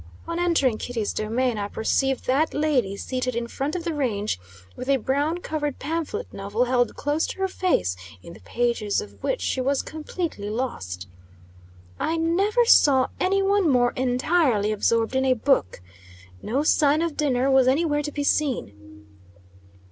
On entering Kitty's domain, I perceived that lady seated in front of the range, with a brown covered pamphlet novel held close to her face, in the pages of which she was completely lost. I never saw any one more entirely absorbed in a book. No sign of dinner was any where to be seen.